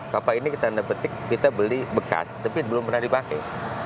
kapal ini kita beli bekas tapi belum pernah dipakai